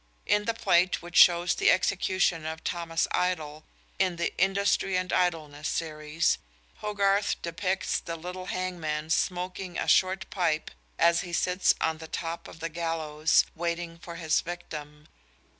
In the plate which shows the execution of Thomas Idle, in the "Industry and Idleness" series, Hogarth depicts the little hangman smoking a short pipe as he sits on the top of the gallows, waiting for his victim.